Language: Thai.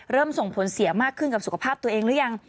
ส่งผลเสียมากขึ้นกับสุขภาพตัวเองหรือยัง